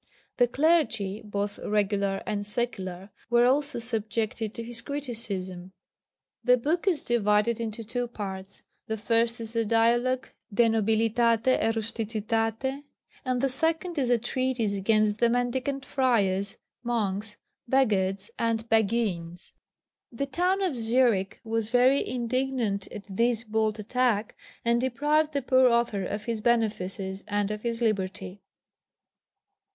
The clergy, both regular and secular, were also subjected to his criticism. The book is divided into two parts; the first is a dialogue de Nobilitate et Rusticitate, and the second is a treatise against the mendicant friars, monks, Beghards, and Béguines. The town of Zürich was very indignant at this bold attack, and deprived the poor author of his benefices and of his liberty.